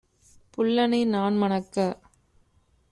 புல்லனை நான்மணக்க